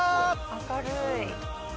明るい。